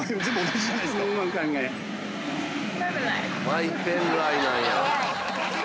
マイペンライなんや。